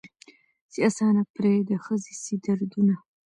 چي آسانه پر دې ښځي سي دردونه